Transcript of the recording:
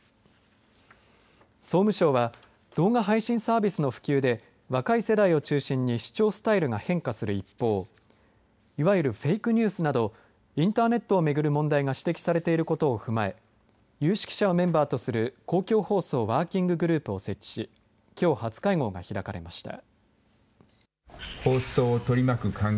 総務省は動画配信サービスの普及で若い世代を中心に視聴スタイルが変化する一方いわゆるフェイクニュースなどインターネットを巡る問題が指摘されていることを踏まえ有識者をメンバーとする公共放送ワーキンググループを設置しきょう初会合が開かれました。